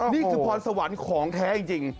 นี่คือพรสวรรค์ของแท้จริง